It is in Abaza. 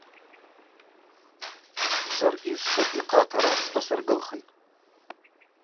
Шваргьи швсабихъа атара швтасыргылхитӏ.